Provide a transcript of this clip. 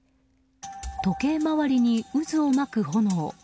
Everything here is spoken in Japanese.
時計回りに渦を巻く炎。